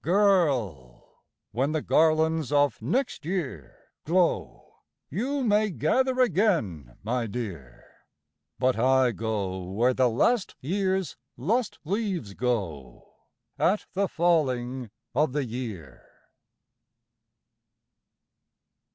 Girl! when the garlands of next year glow, YOU may gather again, my dear But I go where the last year's lost leaves go At the falling of the year."